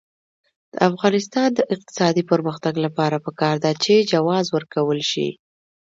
د افغانستان د اقتصادي پرمختګ لپاره پکار ده چې جواز ورکول شي.